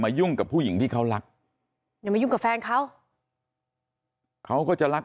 ยุ่งกับผู้หญิงที่เขารักอย่ามายุ่งกับแฟนเขาเขาก็จะรัก